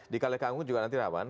di kalekanggung juga nanti rawan